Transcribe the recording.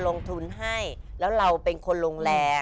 เราเป็นคุณลงแรง